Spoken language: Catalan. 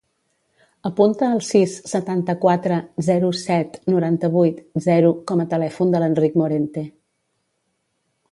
Apunta el sis, setanta-quatre, zero, set, noranta-vuit, zero com a telèfon de l'Enric Morente.